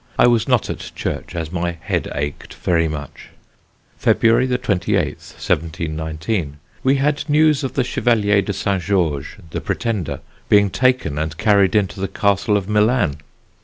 I was not at church, as my head ached very much. "February 28th, 1719. We had news of the Chevalier de St. George, the Pretender, being taken and carried into the Castle of Milan.